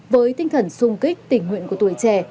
với tinh thần sung kích tình nguyện của tuổi trẻ